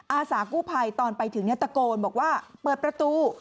อาสากู้ภัยตอนไปถึงตะโกนบอกว่าเปิดประตู